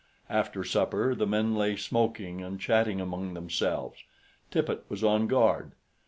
After supper the men lay smoking and chatting among themselves. Tippet was on guard.